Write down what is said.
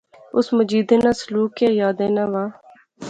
اس مجیدے ناں سلوک ایہہ یاد اینا وہا